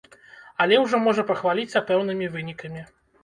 Але ўжо можа пахваліцца пэўнымі вынікамі.